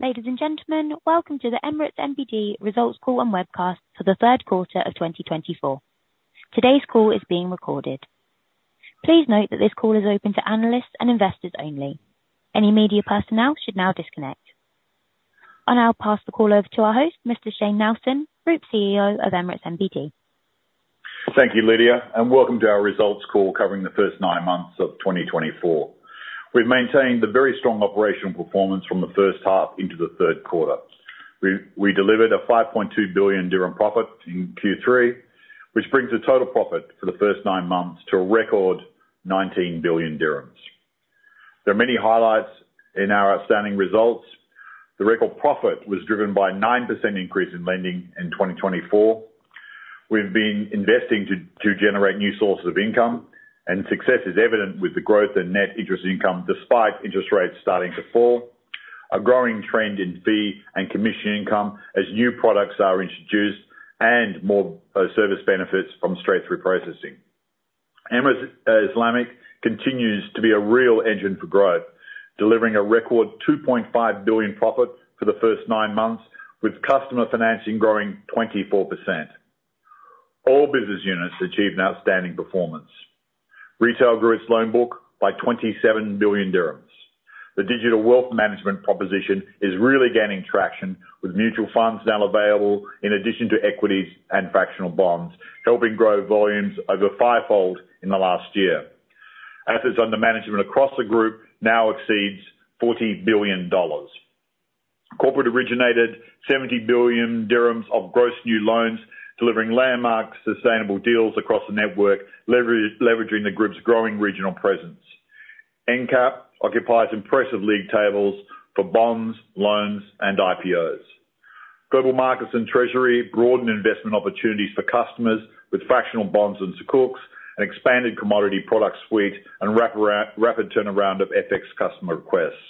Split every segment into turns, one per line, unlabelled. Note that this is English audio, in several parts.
Ladies and gentlemen, welcome to the Emirates NBD results call and webcast for the third quarter of 2024. Today's call is being recorded. Please note that this call is open to analysts and investors only. Any media personnel should now disconnect. I'll now pass the call over to our host, Mr. Shayne Nelson, Group CEO of Emirates NBD.
Thank you, Lydia, and welcome to our results call covering the first nine months of 2024. We've maintained the very strong operational performance from the first half into the third quarter. We delivered a 5.2 billion dirham profit in Q3, which brings the total profit for the first nine months to a record 19 billion dirhams. There are many highlights in our outstanding results. The record profit was driven by 9% increase in lending in 2024. We've been investing to generate new sources of income, and success is evident with the growth in net interest income, despite interest rates starting to fall, a growing trend in fee and commission income as new products are introduced, and more service benefits from straight-through processing. Emirates Islamic continues to be a real engine for growth, delivering a record 2.5 billion profit for the first nine months, with customer financing growing 24%. All business units achieved an outstanding performance. Retail grew its loan book by 27 billion dirhams. The digital wealth management proposition is really gaining traction, with mutual funds now available in addition to equities and fractional bonds, helping grow volumes over fivefold in the last year. Assets under management across the group now exceeds $40 billion. Corporate originated 70 billion dirhams of gross new loans, delivering landmark sustainable deals across the network, leveraging the group's growing regional presence. ENBD Capital occupies impressive league tables for bonds, loans, and IPOs. Global Markets and Treasury broadened investment opportunities for customers with fractional bonds and Sukuks, an expanded commodity product suite, and rapid turnaround of FX customer requests.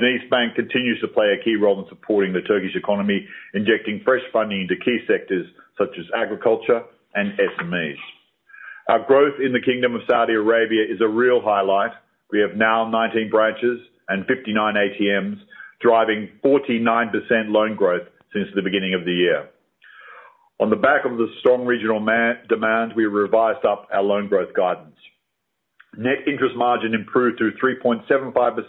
DenizBank continues to play a key role in supporting the Turkish economy, injecting fresh funding into key sectors such as agriculture and SMEs. Our growth in the Kingdom of Saudi Arabia is a real highlight. We have now 19 branches and 59 ATMs, driving 49% loan growth since the beginning of the year. On the back of the strong regional demand, we revised up our loan growth guidance. Net interest margin improved to 3.75%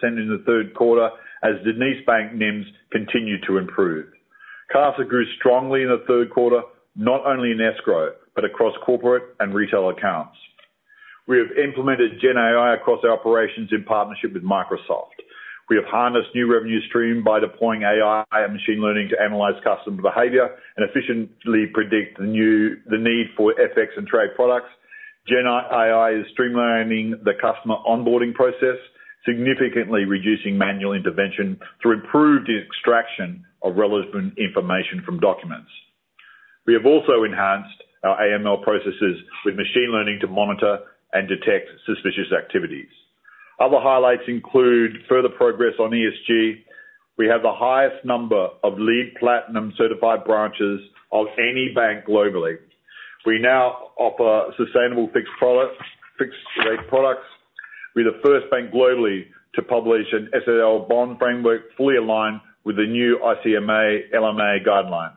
in the third quarter, as DenizBank NIMs continued to improve. CASA grew strongly in the third quarter, not only in escrow, but across corporate and retail accounts. We have implemented Gen AI across our operations in partnership with Microsoft. We have harnessed new revenue stream by deploying AI and machine learning to analyze customer behavior and efficiently predict the need for FX and trade products. GenAI is streamlining the customer onboarding process, significantly reducing manual intervention to improve the extraction of relevant information from documents. We have also enhanced our AML processes with machine learning to monitor and detect suspicious activities. Other highlights include further progress on ESG. We have the highest number of LEED Platinum-certified branches of any bank globally. We now offer sustainable fixed products, fixed rate products. We're the first bank globally to publish an SLL bond framework fully aligned with the new ICMA/LMA guidelines.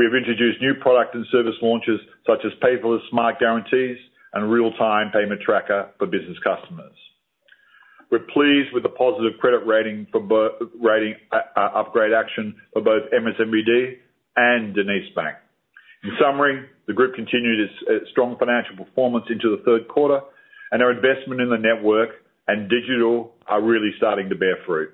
We have introduced new product and service launches, such as paperless smart guarantees and real-time payment tracker for business customers. We're pleased with the positive credit rating upgrade action for both Emirates NBD and DenizBank. In summary, the group continued its strong financial performance into the third quarter, and our investment in the network and digital are really starting to bear fruit.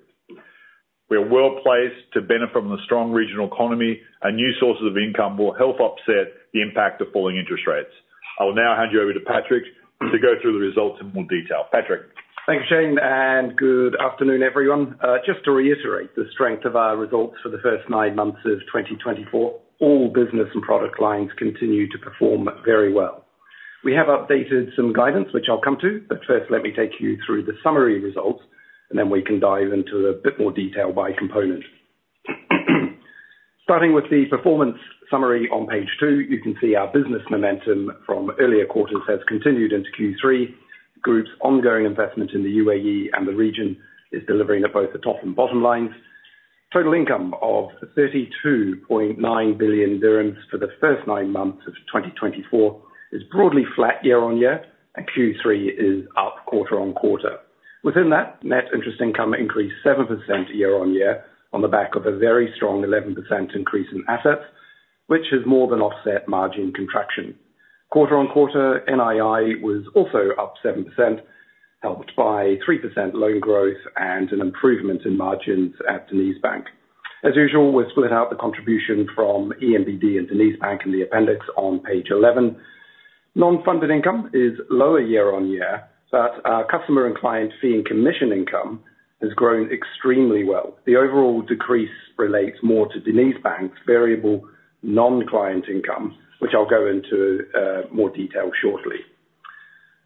We are well placed to benefit from the strong regional economy, and new sources of income will help offset the impact of falling interest rates. I will now hand you over to Patrick to go through the results in more detail. Patrick?
Thank you, Shayne, and good afternoon, everyone. Just to reiterate the strength of our results for the first nine months of 2024, all business and product lines continue to perform very well. We have updated some guidance, which I'll come to, but first, let me take you through the summary results, and then we can dive into a bit more detail by component. Starting with the performance summary on page two, you can see our business momentum from earlier quarters has continued into Q3. Group's ongoing investment in the UAE and the region is delivering at both the top and bottom lines. Total income of 32.9 billion dirhams for the first nine months of 2024 is broadly flat year-on-year, and Q3 is up quarter-on-quarter. Within that, net interest income increased 7% year-on-year on the back of a very strong 11% increase in assets, which has more than offset margin contraction. Quarter-on-quarter, NII was also up 7%, helped by 3% loan growth and an improvement in margins at DenizBank. As usual, we've split out the contribution from ENBD and DenizBank in the appendix on page 11. Non-funded income is lower year-on-year, but our customer and client fee and commission income has grown extremely well. The overall decrease relates more to DenizBank's variable non-client income, which I'll go into more detail shortly.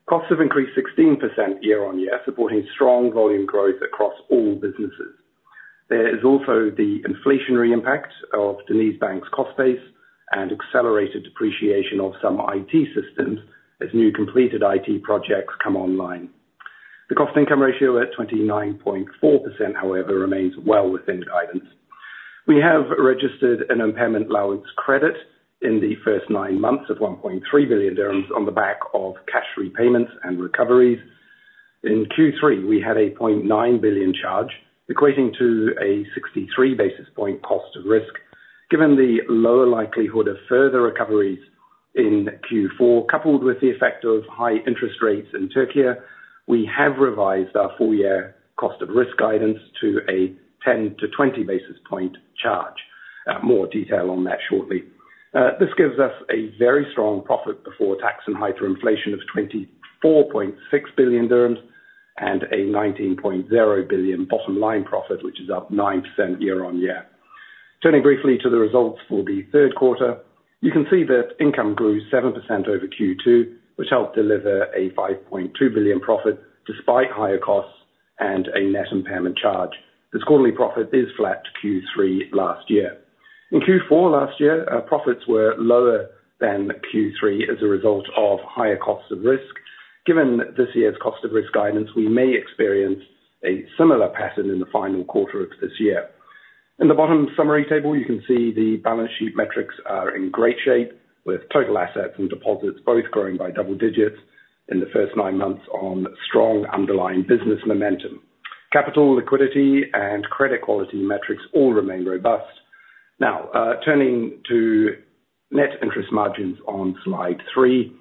Costs have increased 16% year-on-year, supporting strong volume growth across all businesses. There is also the inflationary impact of DenizBank's cost base, and accelerated depreciation of some IT systems, as new completed IT projects come online. The cost-to-income ratio at 29.4%, however, remains well within guidance. We have registered an impairment allowance credit in the first nine months of 1.3 billion dirhams on the back of cash repayments and recoveries. In Q3, we had a 0.9 billion charge, equating to a 63 basis points cost of risk. Given the lower likelihood of further recoveries in Q4, coupled with the effect of high interest rates in Turkey, we have revised our full year cost of risk guidance to a 10-20 basis points charge. More detail on that shortly. This gives us a very strong profit before tax and hyperinflation of 24.6 billion dirhams, and a 19.0 billion bottom line profit, which is up 9% year-on-year. Turning briefly to the results for the third quarter, you can see that income grew 7% over Q2, which helped deliver an 5.2 billion profit, despite higher costs and a net impairment charge. This quarterly profit is flat to Q3 last year. In Q4 last year, our profits were lower than Q3 as a result of higher costs of risk. Given this year's cost of risk guidance, we may experience a similar pattern in the final quarter of this year. In the bottom summary table, you can see the balance sheet metrics are in great shape, with total assets and deposits both growing by double digits in the first nine months on strong underlying business momentum. Capital liquidity and credit quality metrics all remain robust. Now, turning to net interest margins on Slide three.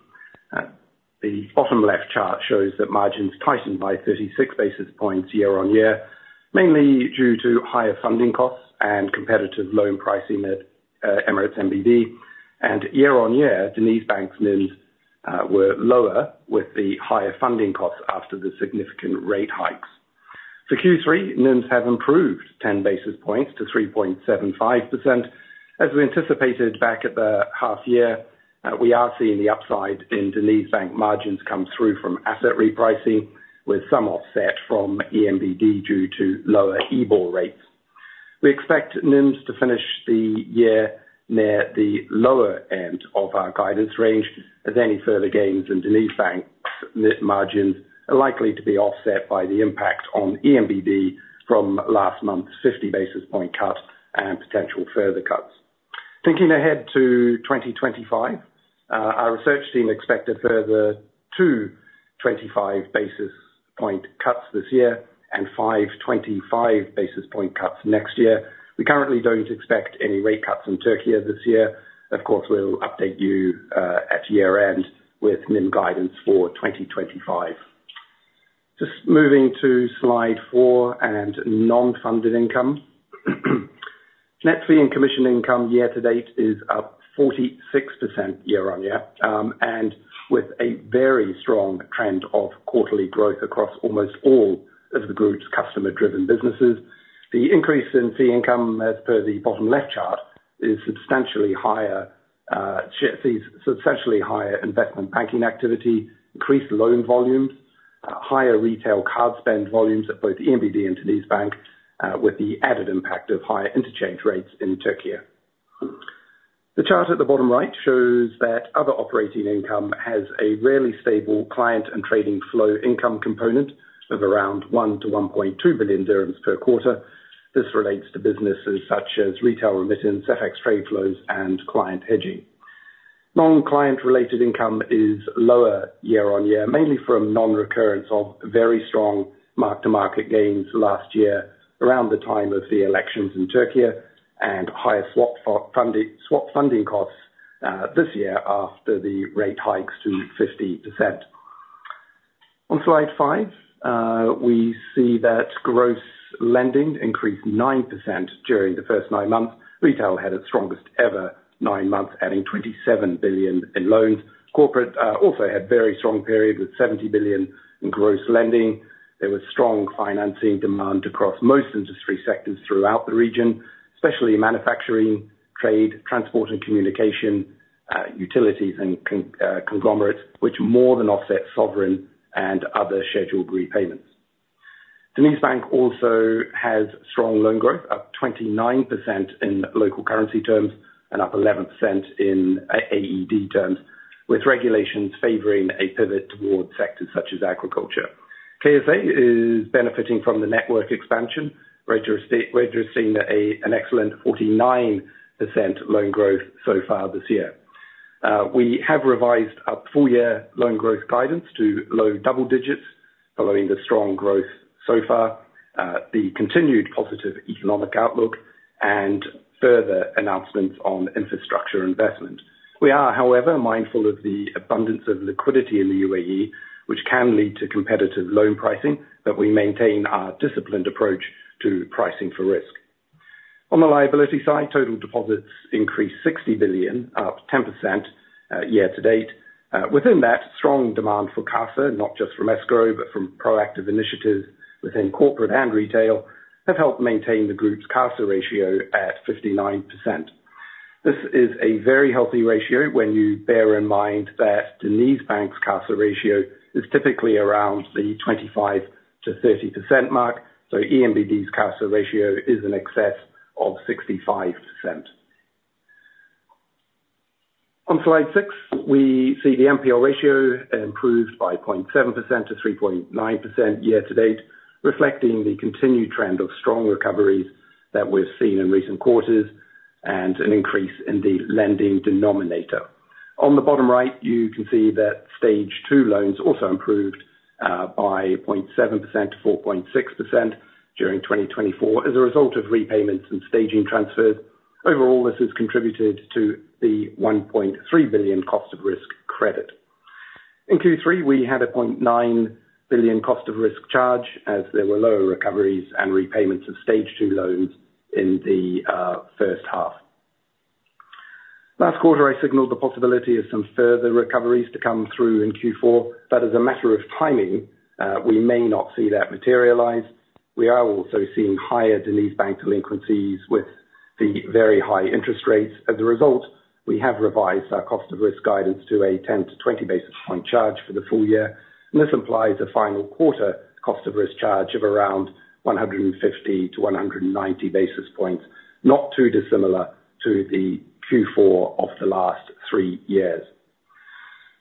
The bottom left chart shows that margins tightened by thirty-six basis points year-on-year, mainly due to higher funding costs and competitive loan pricing at Emirates NBD. Year-on-year, DenizBank's NIMs were lower with the higher funding costs after the significant rate hikes. For Q3, NIMs have improved 10 basis points to 3.75%. As we anticipated back at the half year, we are seeing the upside in DenizBank margins come through from asset repricing, with some offset from ENBD due to lower IBOR rates. We expect NIMs to finish the year near the lower end of our guidance range, as any further gains in DenizBank's net margins are likely to be offset by the impact on ENBD from last month's fifty basis point cut and potential further cuts. Thinking ahead to 2025, our research team expect a further 225 basis point cuts this year and 525 basis point cuts next year. We currently don't expect any rate cuts in Turkey this year. Of course, we'll update you at year-end with NIM guidance for 2025. Just moving to slide four and non-funded income. Net fee and commission income year to date is up 46% year-on-year and with a very strong trend of quarterly growth across almost all of the group's customer-driven businesses. The increase in fee income, as per the bottom left chart, is substantially higher fees, substantially higher investment banking activity, increased loan volumes, higher retail card spend volumes at both ENBD and DenizBank with the added impact of higher interchange rates in Turkey. The chart at the bottom right shows that other operating income has a rarely stable client and trading flow income component of around 1 billion-1.2 billion dirhams per quarter. This relates to businesses such as retail remittance, FX trade flows, and client hedging. Non-client related income is lower year-on-year, mainly from non-recurrence of very strong mark-to-market gains last year, around the time of the elections in Turkey, and higher swap funding costs this year after the rate hikes to 50%. On slide five, we see that gross lending increased 9% during the first nine months. Retail had its strongest ever nine months, adding 27 billion in loans. Corporate also had very strong period with 70 billion in gross lending. There was strong financing demand across most industry sectors throughout the region, especially manufacturing, trade, transport and communication, utilities and conglomerates, which more than offset sovereign and other scheduled repayments. DenizBank also has strong loan growth, up 29% in local currency terms and up 11% in AED terms, with regulations favoring a pivot towards sectors such as agriculture. KSA is benefiting from the network expansion, registering an excellent 49% loan growth so far this year. We have revised our full year loan growth guidance to low double digits following the strong growth so far, the continued positive economic outlook and further announcements on infrastructure investment. We are, however, mindful of the abundance of liquidity in the UAE, which can lead to competitive loan pricing, but we maintain our disciplined approach to pricing for risk. On the liability side, total deposits increased 60 billion, up 10%, year to date. Within that, strong demand for CASA, not just from escrow, but from proactive initiatives within corporate and retail, have helped maintain the group's CASA ratio at 59%. This is a very healthy ratio when you bear in mind that DenizBank's CASA ratio is typically around the 25%-30% mark, so ENBD's CASA ratio is in excess of 65%. On slide six, we see the NPL ratio improved by 0.7% to 3.9% year-to-date, reflecting the continued trend of strong recoveries that we've seen in recent quarters and an increase in the lending denominator. On the bottom right, you can see that Stage Two loans also improved by 0.7% to 4.6% during 2024 as a result of repayments and staging transfers. Overall, this has contributed to the 1.3 billion cost of risk credit. In Q3, we had a 0.9 billion cost of risk charge, as there were lower recoveries and repayments of Stage Two loans in the first half. Last quarter, I signaled the possibility of some further recoveries to come through in Q4, but as a matter of timing, we may not see that materialize. We are also seeing higher DenizBank delinquencies with the very high interest rates. As a result, we have revised our cost of risk guidance to a 10-20 basis point charge for the full year, and this implies a final quarter cost of risk charge of around 150-190 basis points, not too dissimilar to the Q4 of the last three years.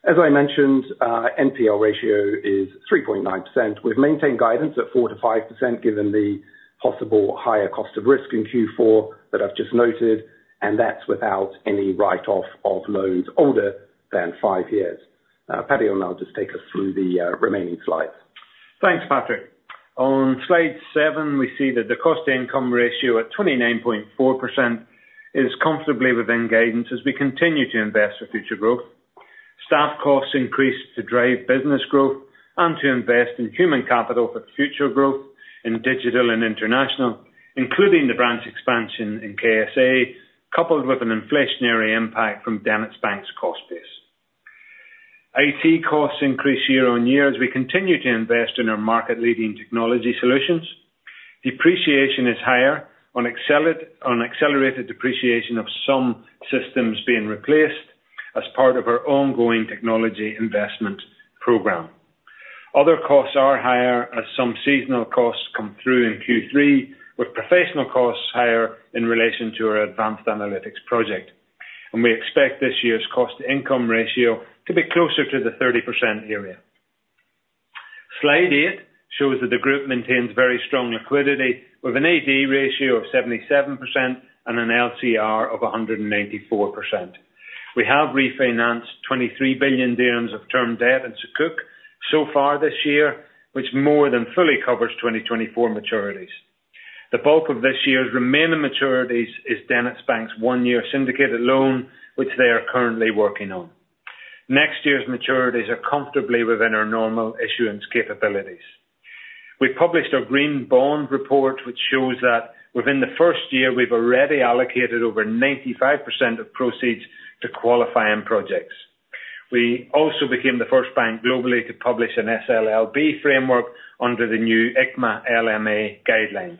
As I mentioned, NPL ratio is 3.9%. We've maintained guidance at 4%-5%, given the possible higher cost of risk in Q4 that I've just noted, and that's without any write-off of loans older than five years. Paddy will now just take us through the remaining slides.
Thanks, Patrick. On slide seven, we see that the cost-to-income ratio at 29.4% is comfortably within guidance as we continue to invest for future growth. Staff costs increased to drive business growth and to invest in human capital for future growth in digital and international, including the branch expansion in KSA, coupled with an inflationary impact from DenizBank's cost base. IT costs increased year on year as we continue to invest in our market-leading technology solutions. Depreciation is higher on accelerated depreciation of some systems being replaced as part of our ongoing technology investment program. Other costs are higher as some seasonal costs come through in Q3, with professional costs higher in relation to our advanced analytics project. And we expect this year's cost-to-income ratio to be closer to the 30% area. Slide eight shows that the group maintains very strong liquidity with an AD ratio of 77% and an LCR of 194%. We have refinanced 23 billion dirhams of term debt into Sukuk so far this year, which more than fully covers 2024 maturities. The bulk of this year's remaining maturities is DenizBank's one-year syndicated loan, which they are currently working on. Next year's maturities are comfortably within our normal issuance capabilities. We published our green bond report, which shows that within the first year, we've already allocated over 95% of proceeds to qualifying projects. We also became the first bank globally to publish an SLLB framework under the new ICMA/LMA guidelines.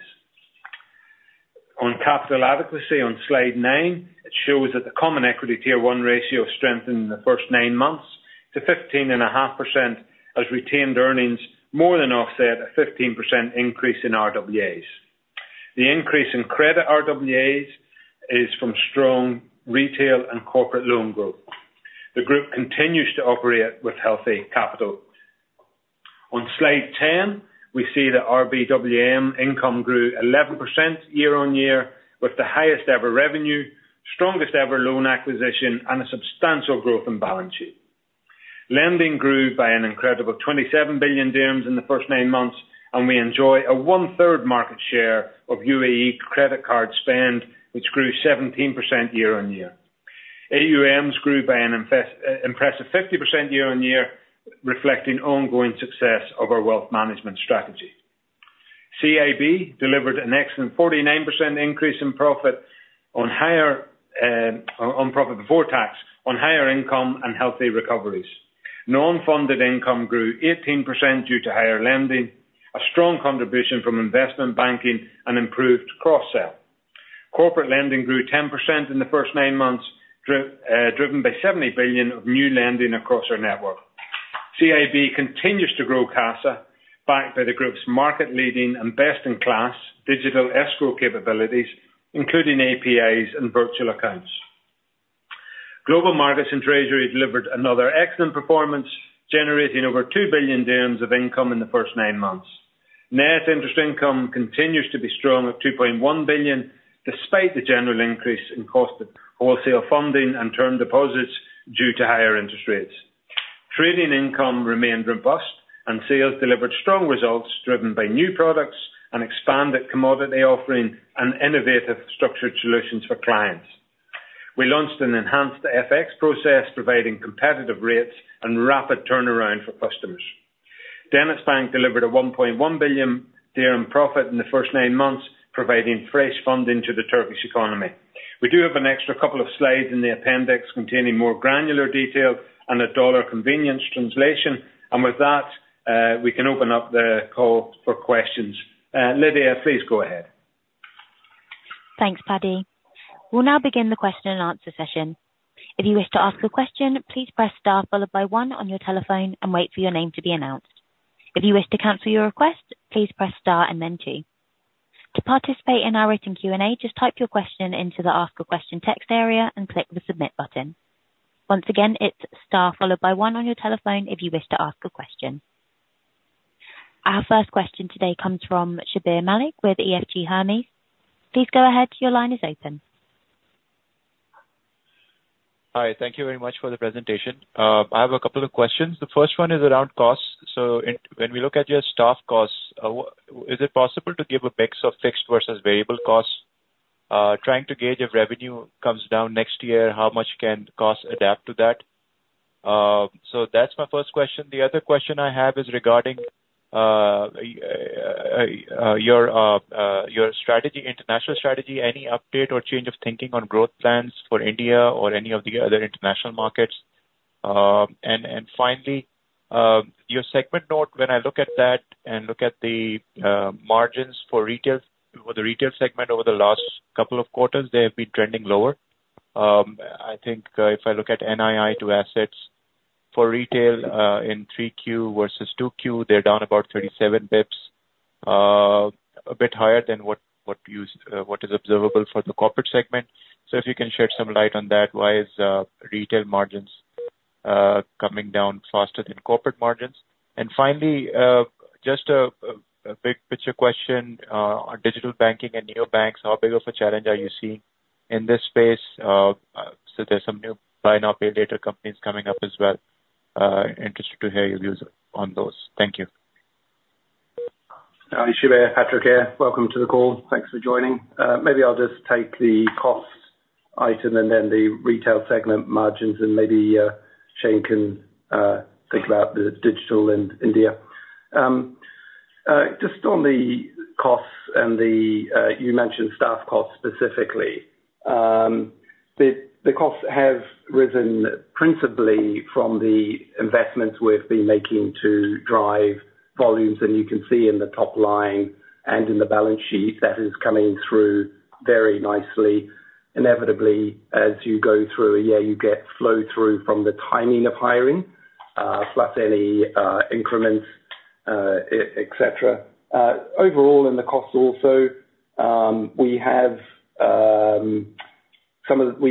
On capital adequacy on slide 9, it shows that the Common Equity Tier One ratio strengthened in the first nine months to 15.5%, as retained earnings more than offset a 15% increase in RWAs. The increase in credit RWAs is from strong retail and corporate loan growth. The group continues to operate with healthy capital. On slide 10, we see that RBWM income grew 11% year on year, with the highest ever revenue, strongest ever loan acquisition, and a substantial growth in balance sheet. Lending grew by an incredible 27 billion dirhams in the first nine months, and we enjoy a 1/3 market share of UAE credit card spend, which grew 17% year on year. AUMs grew by an impressive 50% year on year, reflecting ongoing success of our wealth management strategy. CIB delivered an excellent 49% increase in profit on higher, on profit before tax, on higher income and healthy recoveries. Non-funded income grew 18% due to higher lending, a strong contribution from investment banking and improved cross-sell. Corporate lending grew 10% in the first nine months, driven by 70 billion of new lending across our network. CIB continues to grow CASA, backed by the group's market-leading and best-in-class digital escrow capabilities, including APIs and virtual accounts. Global Markets and Treasury delivered another excellent performance, generating over 2 billion dirhams of income in the first nine months. Net interest income continues to be strong at 2.1 billion, despite the general increase in cost of wholesale funding and term deposits due to higher interest rates. Trading income remained robust, and sales delivered strong results, driven by new products and expanded commodity offering and innovative structured solutions for clients. We launched an enhanced FX process, providing competitive rates and rapid turnaround for customers. DenizBank delivered a 1.1 billion dirham profit in the first nine months, providing fresh funding to the Turkish economy. We do have an extra couple of slides in the appendix containing more granular detail and a dollar convenience translation. With that, we can open up the call for questions. Lydia, please go ahead.
Thanks, Paddy. We'll now begin the question-and-answer session. If you wish to ask a question, please press star followed by one on your telephone and wait for your name to be announced. If you wish to cancel your request, please press star and then two. To participate in our written Q&A, just type your question into the Ask a Question text area and click the Submit button. Once again, it's star followed by one on your telephone if you wish to ask a question. Our first question today comes from Shabbir Malik with EFG Hermes. Please go ahead. Your line is open.
Hi, thank you very much for the presentation. I have a couple of questions. The first one is around costs. So when we look at your staff costs, is it possible to give a mix of fixed versus variable costs? Trying to gauge if revenue comes down next year, how much can costs adapt to that, so that's my first question. The other question I have is regarding your strategy, international strategy, any update or change of thinking on growth plans for India or any of the other international markets, and finally, your segment note, when I look at that and look at the margins for retail, for the retail segment over the last couple of quarters, they have been trending lower. I think, if I look at NII to assets for retail, in 3Q versus 2Q, they're down about 37 basis points, a bit higher than what is observable for the corporate segment. So if you can shed some light on that, why is retail margins coming down faster than corporate margins? And finally, just a big-picture question, on digital banking and neobanks, how big of a challenge are you seeing in this space? So there's some Buy Now, Pay Later companies coming up as well. Interested to hear your views on those. Thank you.
Hi, Shabbir, Patrick here. Welcome to the call. Thanks for joining. Maybe I'll just take the cost item and then the retail segment margins, and maybe Shayne can think about the digital in India. Just on the costs and the you mentioned staff costs specifically. The costs have risen principally from the investments we've been making to drive volumes, and you can see in the top line and in the balance sheet that is coming through very nicely. Inevitably, as you go through a year, you get flow-through from the timing of hiring, plus any increments, et cetera. Overall, in the costs also, we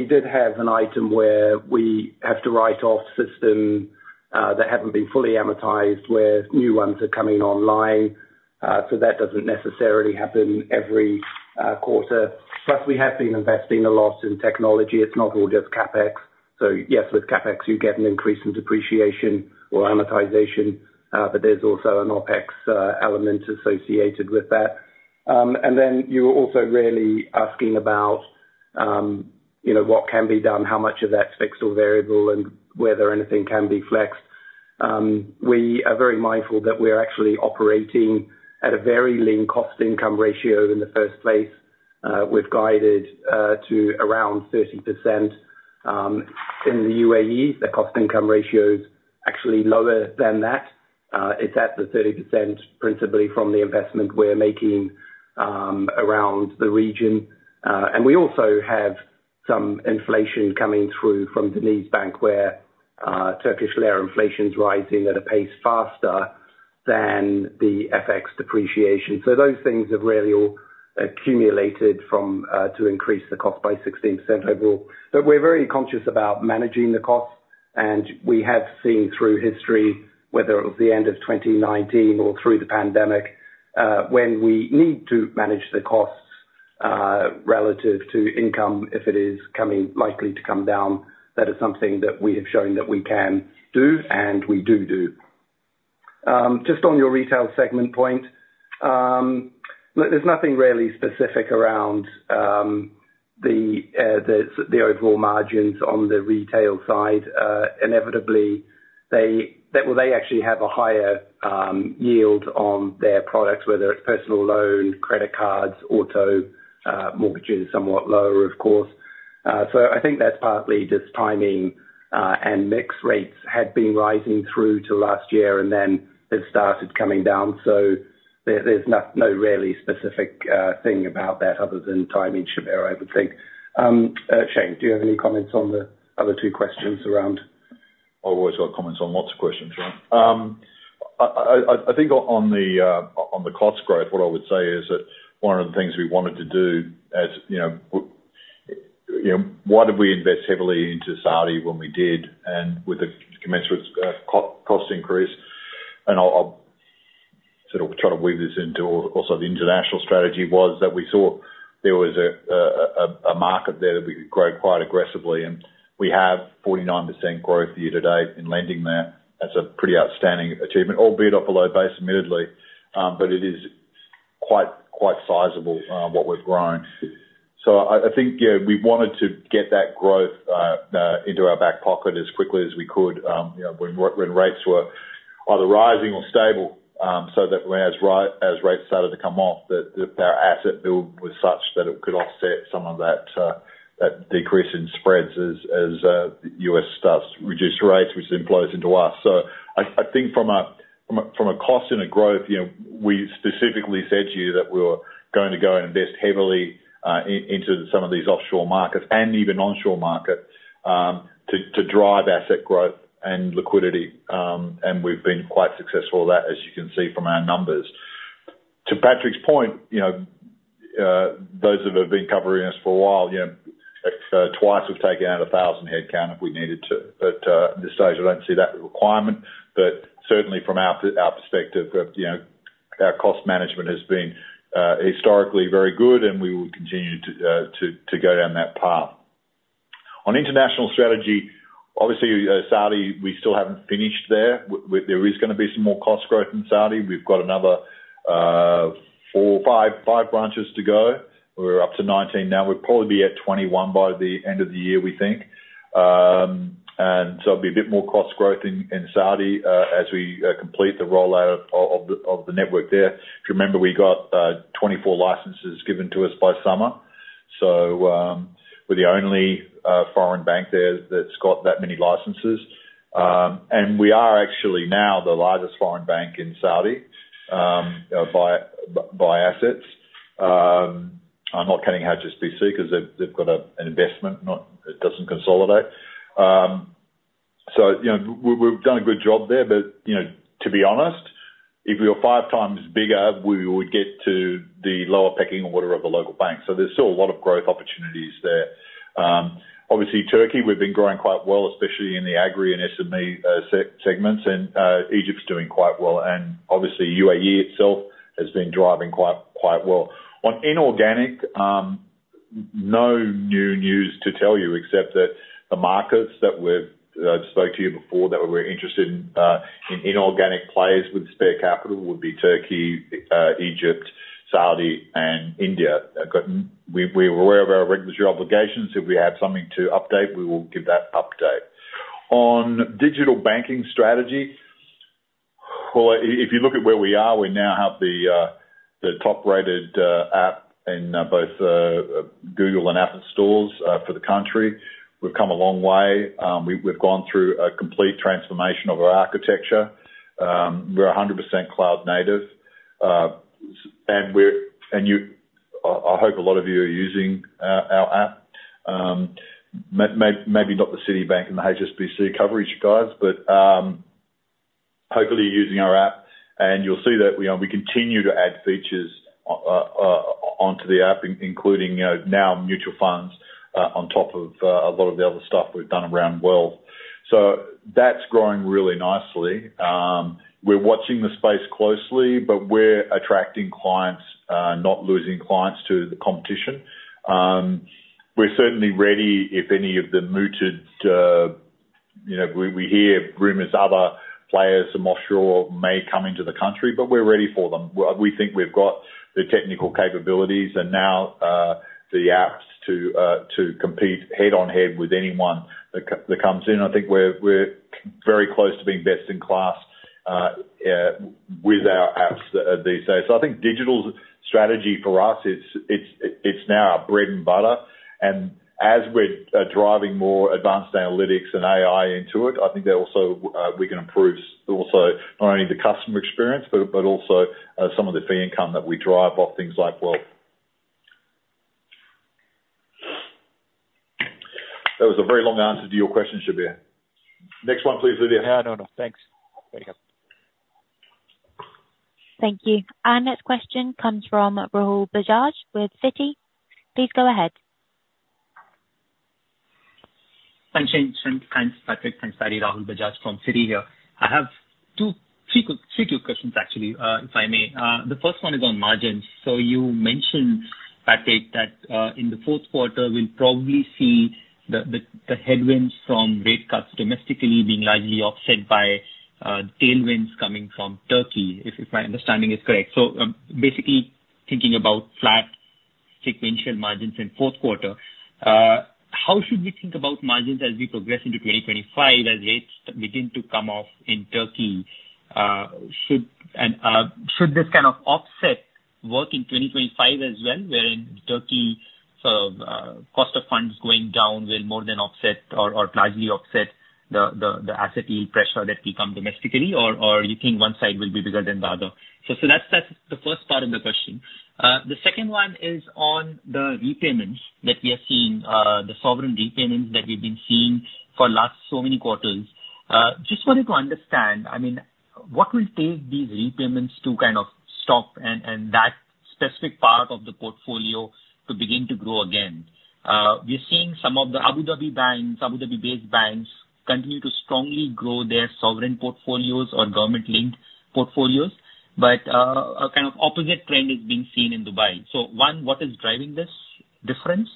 did have an item where we have to write off system that haven't been fully amortized, where new ones are coming online. So that doesn't necessarily happen every quarter. Plus, we have been investing a lot in technology. It's not all just CapEx. So yes, with CapEx, you get an increase in depreciation or amortization, but there's also an OpEx element associated with that. And then you're also really asking about, you know, what can be done, how much of that's fixed or variable, and whether anything can be flexed. We are very mindful that we're actually operating at a very lean cost-income ratio in the first place. We've guided to around 30%. In the UAE, the cost-income ratio is actually lower than that. It's at the 30%, principally from the investment we're making around the region. And we also have some inflation coming through from DenizBank, where Turkish lira inflation is rising at a pace faster than the FX depreciation. So those things have really all accumulated to increase the cost by 16% overall. But we're very conscious about managing the costs, and we have seen through history, whether it was the end of 2019 or through the pandemic, when we need to manage the costs relative to income, if it is coming, likely to come down, that is something that we have shown that we can do and we do do. Just on your retail segment point, look, there's nothing really specific around the overall margins on the retail side. Inevitably, they, well, they actually have a higher yield on their products, whether it's personal loan, credit cards, auto, mortgages, somewhat lower, of course, so I think that's partly just timing. And mix rates had been rising through to last year, and then they've started coming down, so there's no really specific thing about that other than timing, Shabbir, I would think. Shayne, do you have any comments on the other two questions around?
I've always got comments on lots of questions, right? I think on the cost growth, what I would say is that one of the things we wanted to do, as you know, why did we invest heavily into Saudi when we did? And with the commensurate cost increase, and I'll sort of try to weave this into also the international strategy, was that we saw there was a market there that we could grow quite aggressively, and we have 49% growth year to date in lending there. That's a pretty outstanding achievement, albeit off a low base, admittedly, but it is quite sizable what we've grown. So I think, yeah, we wanted to get that growth into our back pocket as quickly as we could, you know, when rates were either rising or stable, so that when rates started to come off, that our asset build was such that it could offset some of that decrease in spreads as U.S. starts to reduce rates, which then flows into us. So I think from a cost and a growth, you know, we specifically said to you that we were going to go and invest heavily into some of these offshore markets and even onshore markets, to drive asset growth and liquidity, and we've been quite successful at that, as you can see from our numbers. To Patrick's point, you know, those of you who have been covering us for a while, you know, twice we've taken out 1,000 headcount if we needed to, but at this stage, I don't see that requirement. But certainly from our perspective, you know, our cost management has been historically very good, and we will continue to go down that path. On international strategy, obviously, Saudi, we still haven't finished there. There is gonna be some more cost growth in Saudi. We've got another four or five branches to go. We're up to 19 now. We'll probably be at 21 by the end of the year, we think. And so there'll be a bit more cost growth in Saudi as we complete the rollout of the network there. If you remember, we got 24 licenses given to us by summer, so we're the only foreign bank there that's got that many licenses, and we are actually now the largest foreign bank in Saudi by assets. I'm not counting HSBC, 'cause they've got an investment, not. It doesn't consolidate. You know, we've done a good job there, but you know, to be honest, if we were five times bigger, we would get to the lower pecking order of the local bank, so there's still a lot of growth opportunities there. Obviously, Turkey, we've been growing quite well, especially in the agri and SME segments, and Egypt's doing quite well, and obviously UAE itself has been driving quite well. On inorganic, no new news to tell you, except that the markets that we've spoke to you before that we're interested in in inorganic plays with spare capital would be Turkey, Egypt, Saudi, and India. We're aware of our regulatory obligations. If we have something to update, we will give that update. On digital banking strategy, well, if you look at where we are, we now have the top-rated app in both Google and Apple stores for the country. We've come a long way. We've gone through a complete transformation of our architecture. We're 100% cloud native, and you, I hope a lot of you are using our app. Maybe not the Citibank and the HSBC coverage guys, but hopefully you're using our app, and you'll see that, you know, we continue to add features onto the app, including, you know, now mutual funds on top of a lot of the other stuff we've done around wealth. So that's growing really nicely. We're watching the space closely, but we're attracting clients, not losing clients to the competition. We're certainly ready if any of the mooted, you know, we hear rumors other players from offshore may come into the country, but we're ready for them. We think we've got the technical capabilities and now the apps to compete head-on-head with anyone that comes in. I think we're very close to being best in class with our apps at this stage. So I think digital strategy for us, it's now our bread and butter, and as we're driving more advanced analytics and AI into it, I think that also we can improve also, not only the customer experience, but some of the fee income that we derive off things like wealth. That was a very long answer to your question, Shabbir. Next one, please, Lydia.
No, no, no, thanks. There you go.
Thank you. Our next question comes from Rahul Bajaj with Citi. Please go ahead.
Thanks, Shayne. Thanks, Patrick. Thanks, Rahul Bajaj from Citi here. I have three quick questions, actually, if I may. The first one is on margins. So you mentioned, Patrick, that in the fourth quarter, we'll probably see the headwinds from rate cuts domestically being largely offset by tailwinds coming from Turkey, if my understanding is correct. So, basically, thinking about flat sequential margins in fourth quarter, how should we think about margins as we progress into 2025, as rates begin to come off in Turkey? Should this kind of offset work in 2025 as well, wherein Turkey sort of cost of funds going down will more than offset or largely offset the asset yield pressure that will come domestically? Or you think one side will be bigger than the other? So that's the first part of the question. The second one is on the repayments that we have seen, the sovereign repayments that we've been seeing for last so many quarters. Just wanted to understand, I mean, what will take these repayments to kind of stop and that specific part of the portfolio to begin to grow again? We're seeing some of the Abu Dhabi banks, Abu Dhabi-based banks, continue to strongly grow their sovereign portfolios or government-linked portfolios, but a kind of opposite trend is being seen in Dubai. So one, what is driving this difference?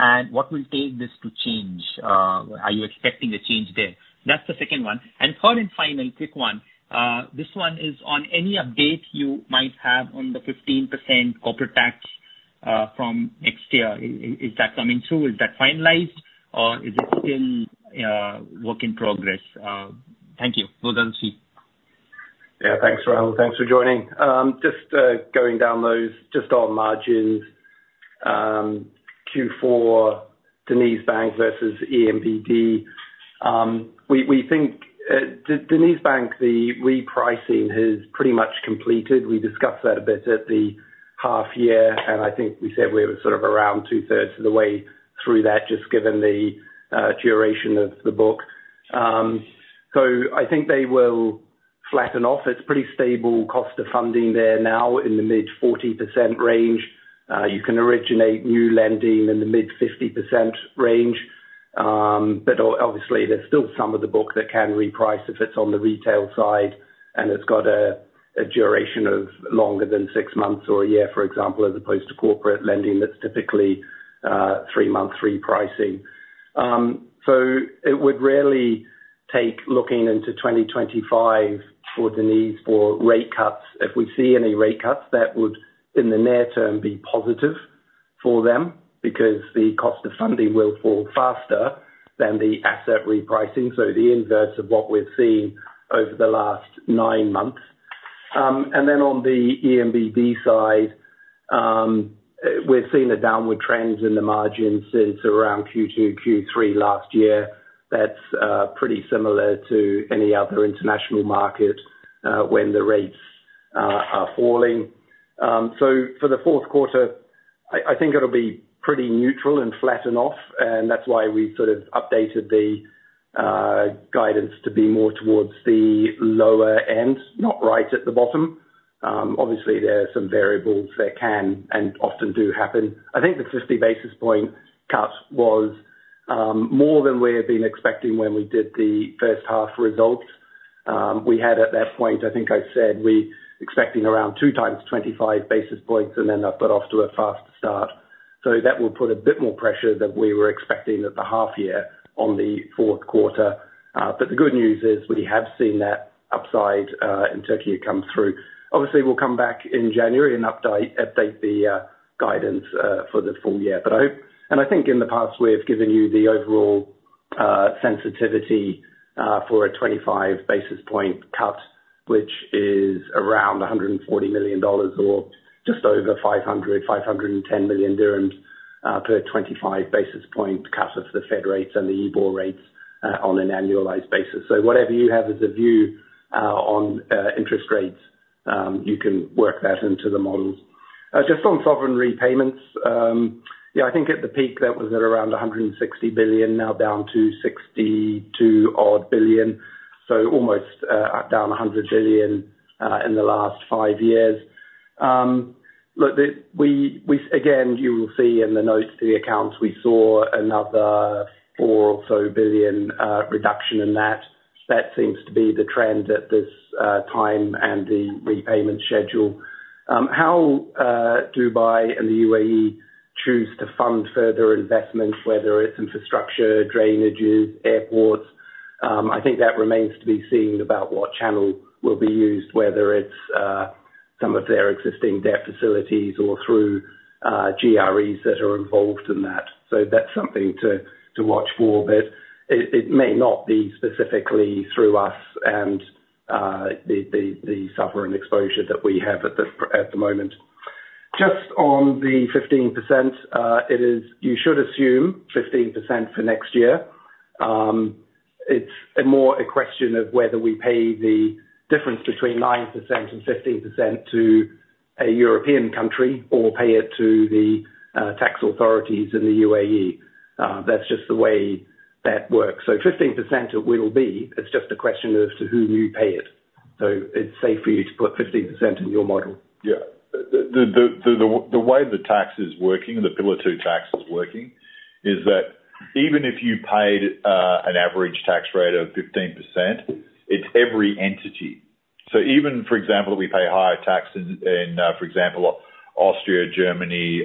And what will take this to change? Are you expecting a change there? That's the second one. And third and final quick one, this one is on any update you might have on the 15% corporate tax from next year. Is that coming through? Is that finalized, or is it still work in progress? Thank you.
Yeah, thanks, Rahul. Thanks for joining. Just going down those, just on margins, Q4, DenizBank versus ENBD. We think DenizBank, the repricing has pretty much completed. We discussed that a bit at the half year, and I think we said we were sort of around 2/3 of the way through that, just given the duration of the book. So I think they will flatten off. It's pretty stable cost of funding there now, in the mid-40% range. You can originate new lending in the mid-50% range. But obviously, there's still some of the book that can reprice if it's on the retail side, and it's got a duration of longer than six months or a year, for example, as opposed to corporate lending, that's typically three-month repricing. So it would rarely take looking into 2025 for the need for rate cuts. If we see any rate cuts, that would, in the near term, be positive for them, because the cost of funding will fall faster than the asset repricing, so the inverse of what we're seeing over the last nine months. And then on the ENBD side, we've seen a downward trend in the margins since around Q2 and Q3 last year. That's pretty similar to any other international market when the rates are falling. So for the fourth quarter, I think it'll be pretty neutral and flatten off, and that's why we sort of updated the guidance to be more towards the lower end, not right at the bottom. Obviously, there are some variables that can and often do happen. I think the 50 basis point cut was more than we had been expecting when we did the first half results. We had, at that point, I think I said, we expecting around two times 25 basis points, and then that got off to a faster start, so that will put a bit more pressure than we were expecting at the half year on the fourth quarter, but the good news is we have seen that upside in Turkey come through. Obviously, we'll come back in January and update the guidance for the full year. But I hope and I think in the past, we've given you the overall sensitivity for a 25 basis point cut, which is around $140 million or just over 500 million, 510 million dirhams per 25 basis point cut of the Fed rates and the IBOR rates on an annualized basis. So whatever you have as a view on interest rates, you can work that into the models. Just on sovereign repayments, I think at the peak, that was at around 160 billion, now down to 62-odd billion, so almost down 100 billion in the last five years. Again, you will see in the notes to the accounts, we saw another 4 billion or so reduction in that. That seems to be the trend at this time and the repayment schedule. How Dubai and the UAE choose to fund further investments, whether it's infrastructure, drainages, airports, I think that remains to be seen about what channel will be used, whether it's some of their existing debt facilities or through GREs that are involved in that. So that's something to watch for, but it may not be specifically through us and the sovereign exposure that we have at the moment. Just on the 15%, it is. You should assume 15% for next year. It's more a question of whether we pay the difference between 9% and 15% to a European country or pay it to the tax authorities in the UAE. That's just the way that works. So 15% it will be, it's just a question as to who you pay it. It's safe for you to put 15% in your model.
Yeah. The way the tax is working, the Pillar Two tax is working, is that even if you paid an average tax rate of 15%, it's every entity. So even, for example, we pay higher tax in for example, Austria, Germany,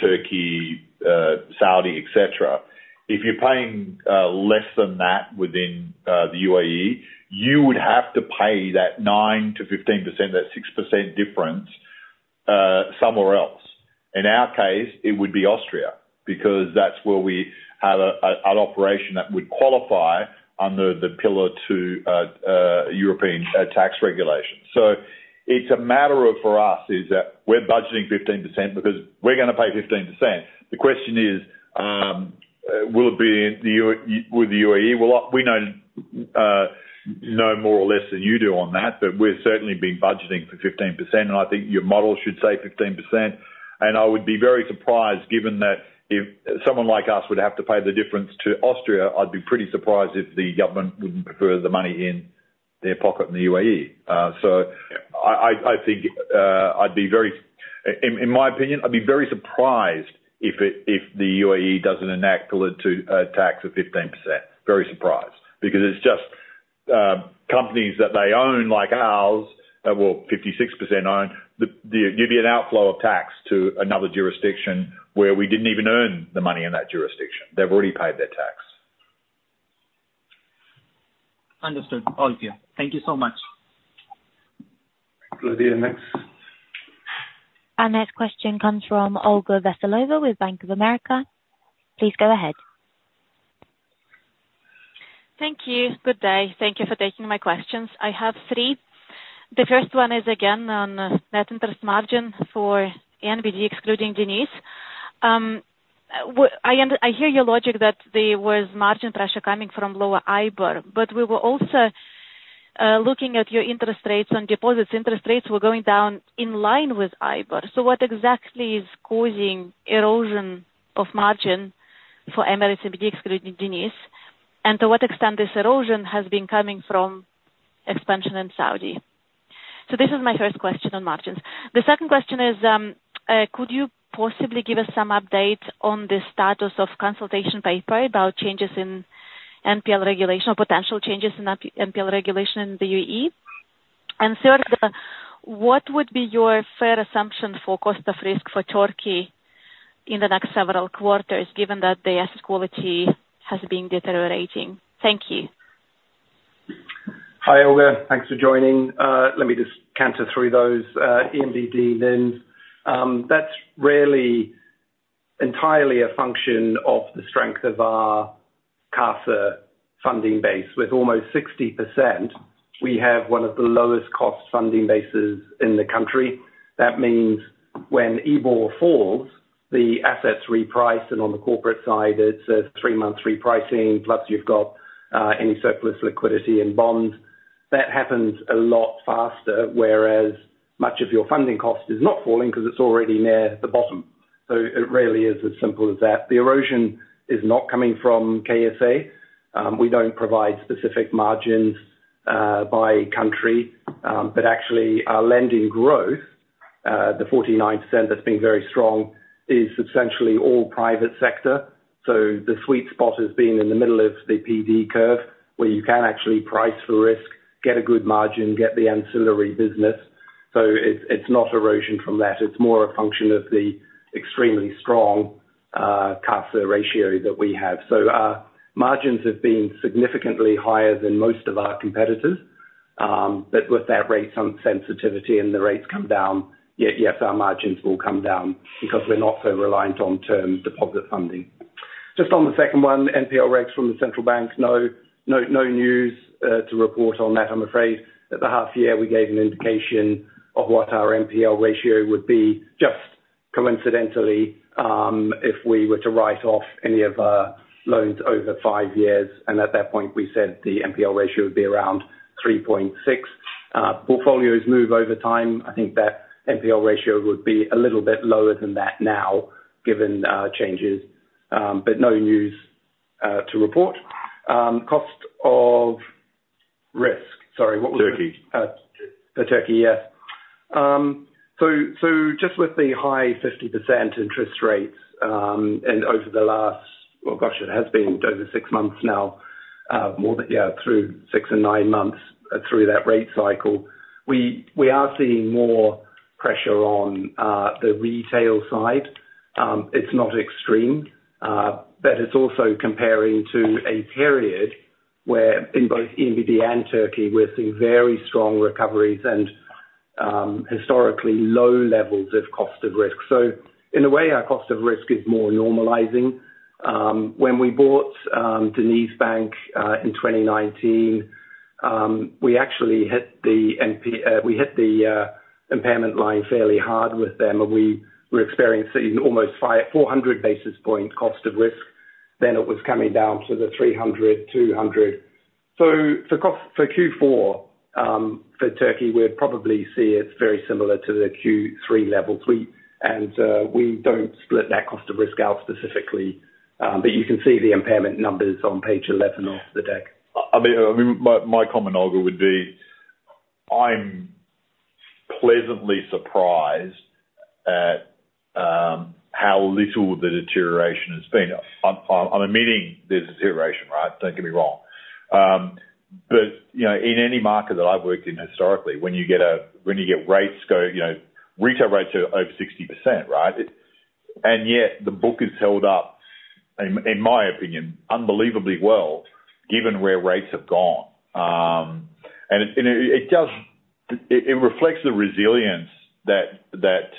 Turkey, Saudi, et cetera, if you're paying less than that within the UAE, you would have to pay that 9%-15%, that 6% difference, somewhere else. In our case, it would be Austria, because that's where we have an operation that would qualify under the Pillar Two European tax regulation. So it's a matter of, for us, is that we're budgeting 15% because we're gonna pay 15%. The question is, will it be in the UAE? We know no more or less than you do on that, but we've certainly been budgeting for 15%, and I think your model should say 15%. I would be very surprised, given that if someone like us would have to pay the difference to Austria. I'd be pretty surprised if the government wouldn't prefer the money in their pocket in the UAE. I think I'd be very, in my opinion, I'd be very surprised if the UAE doesn't enact Pillar Two tax of 15%. Very surprised. Because it's just companies that they own, like ours, that well 56% own, there'd be an outflow of tax to another jurisdiction, where we didn't even earn the money in that jurisdiction. They've already paid their tax.
Understood, all clear. Thank you so much.
Our next question comes from Olga Veselova with Bank of America. Please go ahead.
Thank you. Good day. Thank you for taking my questions. I have three. The first one is, again, on net interest margin for ENBD, excluding Deniz. I hear your logic that there was margin pressure coming from lower IBOR, but we were also looking at your interest rates on deposits, interest rates were going down in line with IBOR. So what exactly is causing erosion of margin for Emirates NBD, excluding Deniz? And to what extent this erosion has been coming from expansion in Saudi? So this is my first question on margins. The second question is, could you possibly give us some updates on the status of consultation paper about changes in NPL regulation or potential changes in NPL regulation in the UAE? Third, what would be your fair assumption for cost of risk for Turkey in the next several quarters, given that the asset quality has been deteriorating? Thank you.
Hi, Olga. Thanks for joining. Let me just canter through those, ENBD NIMs. That's really entirely a function of the strength of our CASA funding base. With almost 60%, we have one of the lowest cost funding bases in the country. That means when IBOR falls, the assets reprice, and on the corporate side, it's a three-month repricing, plus you've got any surplus liquidity and bonds. That happens a lot faster, whereas much of your funding cost is not falling because it's already near the bottom. So it really is as simple as that. The erosion is not coming from KSA. We don't provide specific margins by country, but actually our lending growth, the 49% that's been very strong, is substantially all private sector. So the sweet spot has been in the middle of the PD curve, where you can actually price for risk, get a good margin, get the ancillary business. So it's, it's not erosion from that, it's more a function of the extremely strong CASA ratio that we have. So, margins have been significantly higher than most of our competitors, but with that rate sensitivity and the rates come down, yet, yes, our margins will come down because we're not so reliant on term deposit funding. Just on the second one, NPL regs from the central bank, no, no, no news to report on that, I'm afraid. At the half year, we gave an indication of what our NPL ratio would be, just coincidentally, if we were to write off any of our loans over five years, and at that point, we said the NPL ratio would be around 3.6%. Portfolios move over time. I think that NPL ratio would be a little bit lower than that now, given changes, but no news to report. Cost of risk. Sorry, what was?
Turkey.
Turkey, yeah. So just with the high 50% interest rates, and over the last six months now through six and nine months through that rate cycle, we are seeing more pressure on the retail side. It's not extreme, but it's also comparing to a period where in both ENBD and Turkey, we're seeing very strong recoveries and historically low levels of cost of risk. So in a way, our cost of risk is more normalizing. When we bought DenizBank in 2019, we actually hit the impairment line fairly hard with them, and we were experiencing almost 400 basis points cost of risk. Then it was coming down to the 300, 200. So for cost, for Q4, for Turkey, we'd probably see it very similar to the Q3 levels. And we don't split that cost of risk out specifically, but you can see the impairment numbers on page 11 of the deck.
I mean, my comment, Olga, would be, I'm pleasantly surprised at how little the deterioration has been. I'm admitting there's deterioration, right? Don't get me wrong. But you know, in any market that I've worked in historically, when you get rates go, you know, retail rates are over 60%, right? And yet the book is held up, in my opinion, unbelievably well, given where rates have gone. And it does reflect the resilience that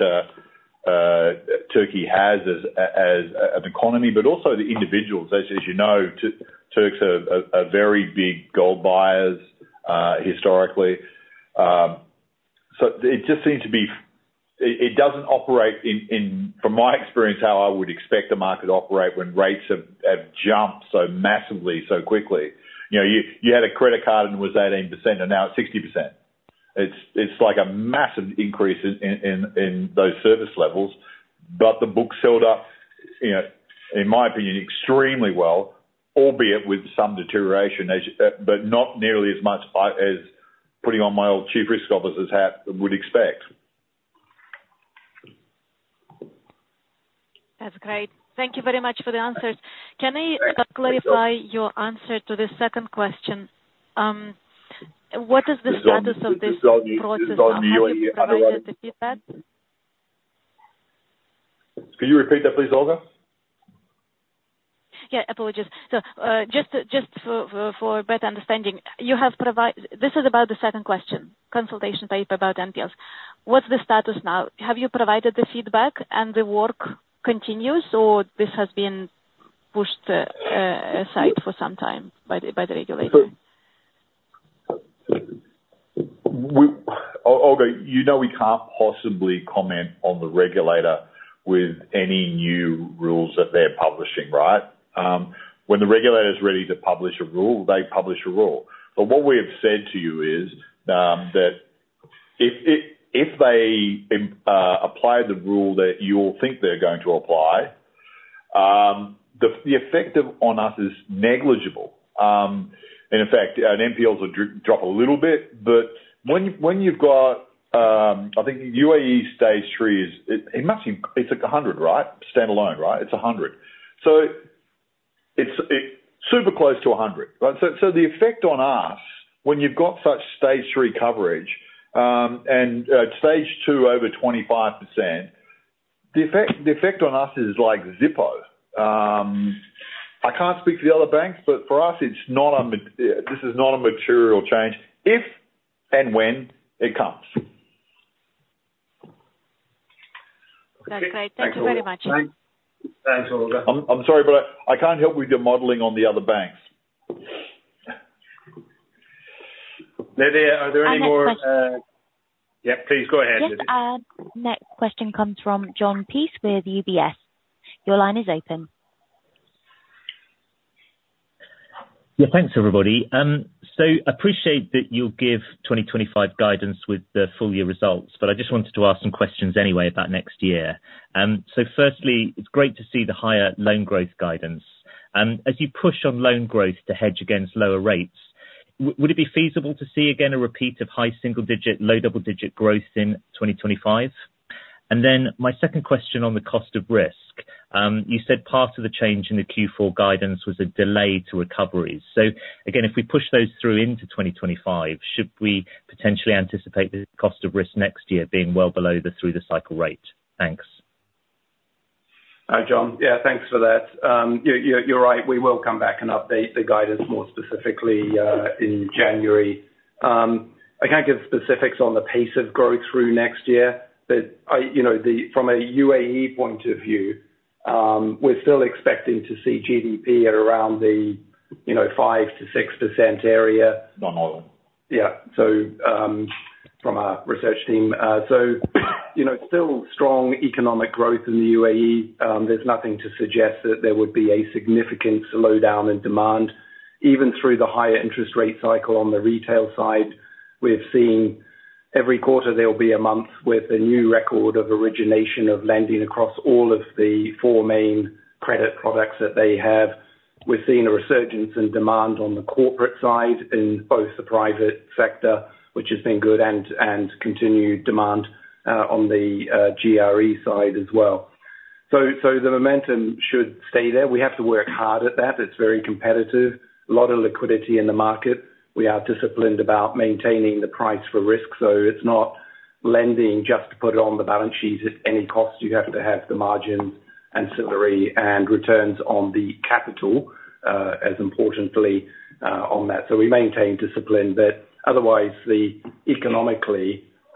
Turkey has as an economy, but also the individuals. As you know, Turks are very big gold buyers historically. So they just seems to be, it doesn't operate in, from my experience, how I would expect the market to operate when rates have jumped so massively, so quickly. You know, you had a credit card and it was 18%, and now it's 60%. It's like a massive increase in those service levels, but the book's held up, you know, in my opinion, extremely well, albeit with some deterioration, but not nearly as much as putting on my old chief risk officer's hat would expect.
That's great. Thank you very much for the answers. Can I clarify your answer to the second question? What is the status of this process? Have you provided the feedback?
Could you repeat that please, Olga?
Yeah, apologies. So, just for better understanding, this is about the second question, consultation paper about NPLs. What's the status now? Have you provided the feedback and the work continues, or this has been pushed aside for some time by the regulator?
Olga, you know we can't possibly comment on the regulator with any new rules that they're publishing, right? When the regulator's ready to publish a rule, they publish a rule. But what we have said to you is, that if they apply the rule that you all think they're going to apply, the effect on us is negligible. And in fact, our NPLs will drop a little bit, but when you've got, I think UAE Stage Threes, it must be, it's like 100, right? Standalone, right? It's 100. So it's super close to 100, right? So the effect on us, when you've got such Stage Three coverage, and stage two over 25%, the effect on us is like zero. I can't speak for the other banks, but for us, it's not a material change, if and when it comes.
That's great. Thank you very much.
Thanks, Olga.
I'm sorry, but I can't help with your modeling on the other banks.
Are there any more?
Next question.
Yeah, please go ahead.
Yes, our next question comes from Jon Peace with UBS. Your line is open.
Yeah, thanks, everybody. So appreciate that you'll give 2025 guidance with the full year results, but I just wanted to ask some questions anyway about next year. So firstly, it's great to see the higher loan growth guidance. As you push on loan growth to hedge against lower rates, would it be feasible to see again a repeat of high single digit, low double digit growth in 2025? And then my second question on the cost of risk. You said part of the change in the Q4 guidance was a delay to recoveries. So again, if we push those through into 2025, should we potentially anticipate the cost of risk next year being well below the through-the-cycle rate? Thanks.
Hi, John. Yeah, thanks for that. You're right, we will come back and update the guidance more specifically in January. I can't give specifics on the pace of growth through next year, but I, you know, from a UAE point of view, we're still expecting to see GDP at around the, you know, 5%-6% area.
Normal.
Yeah. So from our research team. So, you know, still strong economic growth in the UAE. There's nothing to suggest that there would be a significant slowdown in demand, even through the higher interest rate cycle on the retail side. We've seen every quarter there will be a month with a new record of origination of lending across all of the four main credit products that they have. We've seen a resurgence in demand on the corporate side, in both the private sector, which has been good, and continued demand on the GRE side as well. The momentum should stay there. We have to work hard at that. It's very competitive, a lot of liquidity in the market. We are disciplined about maintaining the price for risk, so it's not lending just to put it on the balance sheet at any cost. You have to have the margin and salary and returns on the capital, as importantly, on that. So we maintain discipline, but otherwise, the economic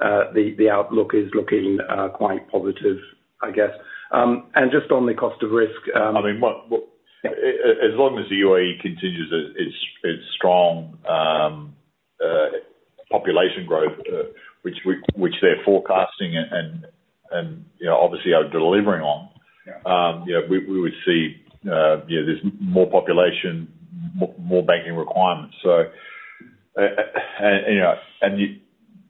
outlook is looking quite positive, I guess. And just on the cost of risk
I mean, as long as the UAE continues its strong population growth, which they're forecasting and, you know, obviously are delivering on
Yeah.
You know, we would see, you know, there's more population, more banking requirements. So, and, you know, and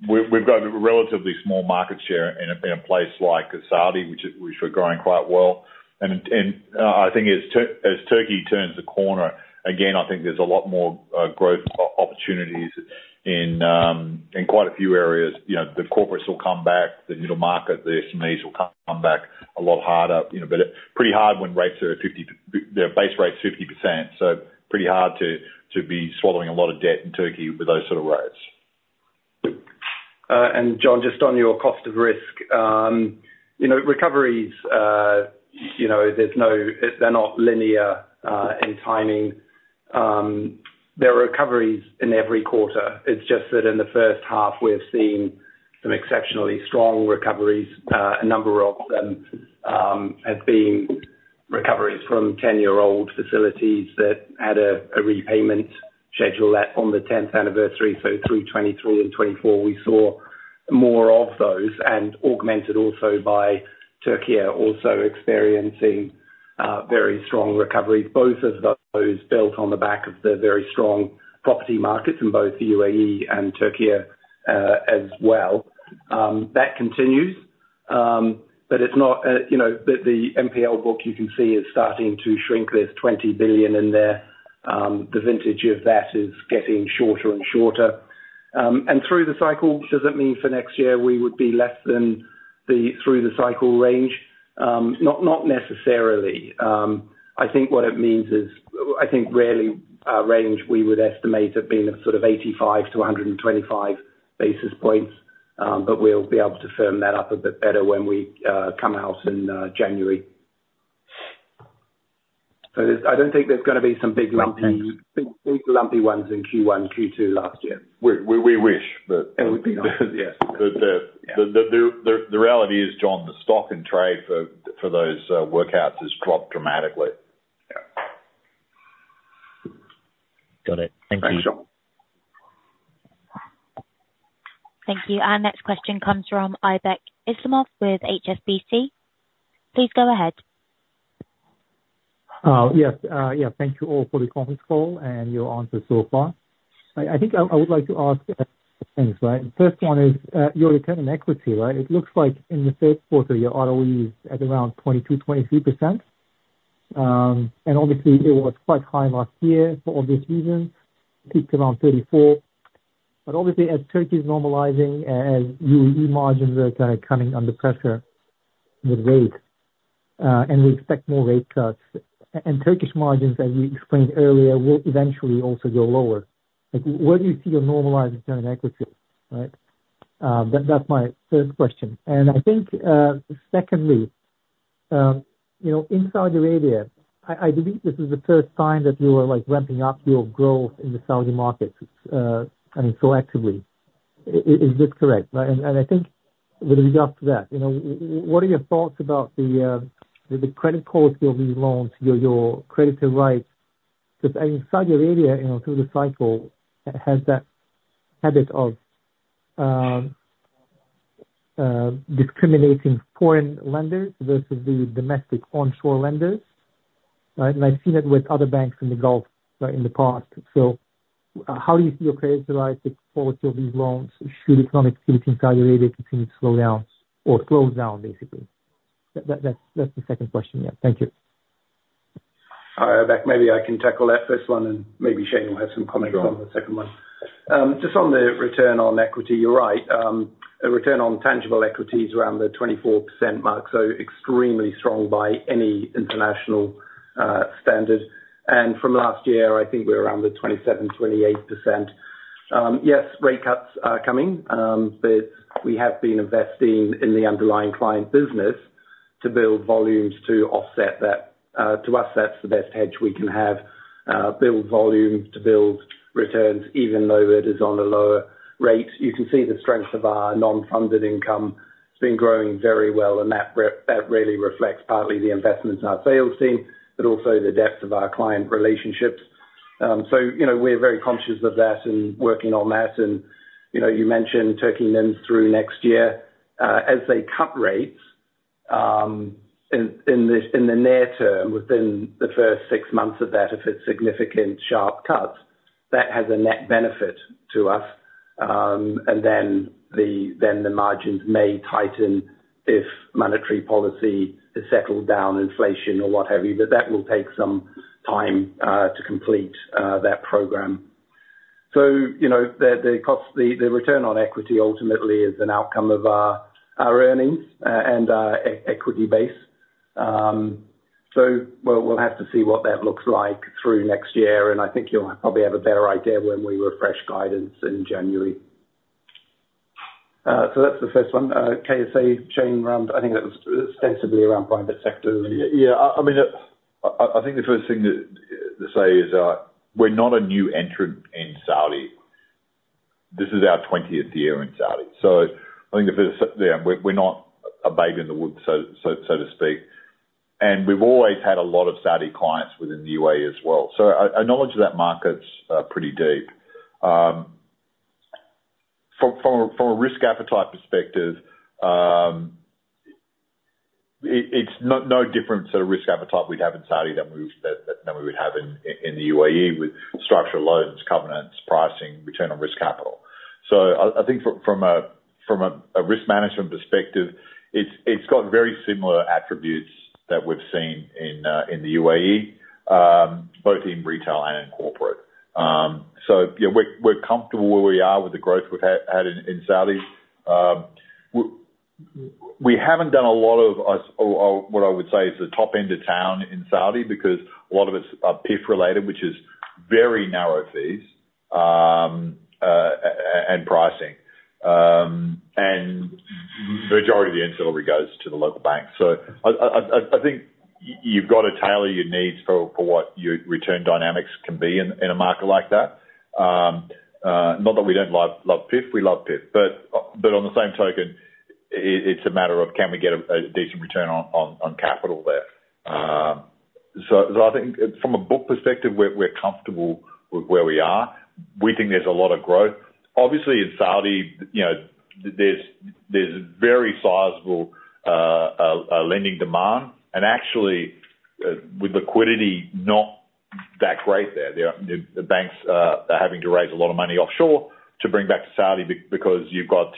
we've got a relatively small market share in a place like Saudi, which we're growing quite well. And, I think as Turkey turns the corner, again, I think there's a lot more growth opportunities in quite a few areas. You know, the corporates will come back, the middle market, the SMEs will come back a lot harder, you know. But pretty hard when rates are fifty, the base rate's 50%, so pretty hard to be swallowing a lot of debt in Turkey with those sort of rates.
And Jon, just on your cost of risk, you know, recoveries, you know, they're not linear in timing. There are recoveries in every quarter. It's just that in the first half, we've seen some exceptionally strong recoveries. A number of them have been recoveries from ten-year-old facilities that had a repayment schedule at, on the tenth anniversary. So through 2023 and 2024, we saw more of those, and augmented also by Turkey also experiencing very strong recoveries, both of those built on the back of the very strong property markets in both the UAE and Turkey, as well. That continues, but it's not, you know, the NPL book, you can see, is starting to shrink. There is 20 billion in there. The vintage of that is getting shorter and shorter. And through the cycle, does that mean for next year we would be less than the through the cycle range? Not necessarily. I think what it means is our range rarely we would estimate have been sort of 85-125 basis points, but we'll be able to firm that up a bit better when we come out in January. So, I don't think there's going to be some big lumpy ones in Q1, Q2 last year.
We wish, but
It would be nice, yes.
But the reality is, Jon, the stock and trade for those workouts has dropped dramatically.
Got it. Thank you.
Thanks, Jon.
Thank you. Our next question comes from Aybek Islamov with HSBC. Please go ahead.
Yes, thank you all for the conference call and your answers so far. I think I would like to ask a few things, right? The first one is, your return on equity, right? It looks like in the third quarter, your ROE is at around 22%-23%. And obviously, it was quite high last year for obvious reasons, peaked around 34%. But obviously, as Turkey's normalizing, as UAE margins are coming under pressure with rate, and we expect more rate cuts, and Turkish margins, as you explained earlier, will eventually also go lower. Like, where do you see your normalized return on equity, right? That, that's my first question. I think, secondly, you know, in Saudi Arabia, I believe this is the first time that you are, like, ramping up your growth in the Saudi market, I mean, proactively. Is this correct? Right, and I think with regard to that, you know, what are your thoughts about the credit quality of these loans, your credit write-offs? Because in Saudi Arabia, you know, through the cycle, has that habit of discriminating foreign lenders versus the domestic onshore lenders, right? And I've seen that with other banks in the Gulf, right, in the past. So how do you see your credit write-offs, the quality of these loans should economic activity in Saudi Arabia continue to slow down or cool down, basically? That's the second question. Yeah. Thank you.
Hi, Aybek. Maybe I can tackle that first one, and maybe Shayne will have some comments on the second one. Just on the return on equity, you're right. A return on tangible equity is around the 24% mark, so extremely strong by any international standard. And from last year, I think we're around the 27%-28%. Yes, rate cuts are coming, but we have been investing in the underlying client business to build volumes to offset that. To us, that's the best hedge we can have, build volume to build returns, even though it is on a lower rate. You can see the strength of our non-funded income. It's been growing very well, and that really reflects partly the investment in our sales team, but also the depth of our client relationships. So, you know, we're very conscious of that and working on that. And, you know, you mentioned Turkey NIMs through next year. As they cut rates, in the near term, within the first six months of that, if it's significant sharp cuts, that has a net benefit to us. And then the margins may tighten if monetary policy is settled down, inflation or what have you, but that will take some time to complete that program. So, you know, the cost, the return on equity ultimately is an outcome of our earnings and our equity base. So we'll have to see what that looks like through next year, and I think you'll probably have a better idea when we refresh guidance in January. So that's the first one. KSA, Shayne, around, I think that was ostensibly around private sector.
Yeah, I mean, I think the first thing to say is we're not a new entrant in Saudi. This is our 20th year in Saudi. Yeah, we're not a baby in the woods, so to speak, and we've always had a lot of Saudi clients within the UAE as well. So our knowledge of that market's pretty deep. From a risk appetite perspective, it's no different to the risk appetite we'd have in Saudi than we would have in the UAE, with structured loans, covenants, pricing, return on risk capital. So I think from a risk management perspective, it's got very similar attributes that we've seen in the UAE, both in retail and in corporate. So yeah, we're comfortable where we are with the growth we've had in Saudi. We haven't done a lot of what I would say is the top end of town in Saudi, because a lot of it's PIF-related, which is very narrow fees and pricing. And the majority of the inventory goes to the local bank. So I think you've got to tailor your needs for what your return dynamics can be in a market like that. Not that we don't love PIF, we love PIF, but on the same token, it's a matter of can we get a decent return on capital there? So I think from a book perspective, we're comfortable with where we are. We think there's a lot of growth. Obviously, in Saudi, you know, there's very sizable lending demand, and actually, with liquidity not that great there, the banks are having to raise a lot of money offshore to bring back to Saudi because you've got